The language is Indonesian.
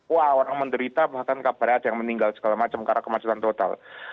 wah orang menderita bahkan kabarnya ada yang meninggal segala macam karena kemacetan total